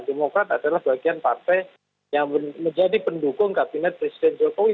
demokrat adalah bagian partai yang menjadi pendukung kabinet presiden jokowi